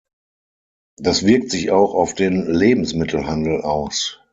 Das wirkt sich auch auf den Lebensmittelhandel aus.